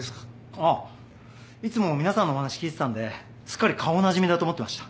ああいつも皆さんのお話聞いてたんですっかり顔なじみだと思ってました。